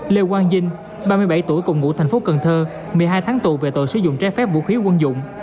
lê quang dinh ba mươi bảy tuổi cùng ngũ tp cnh một mươi hai tháng tù về tội sử dụng trái phép vũ khí quân dụng